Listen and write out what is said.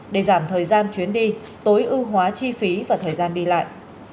để giảm thời gian chuyến đi tối ưu hóa chi phí và thời gian đi lại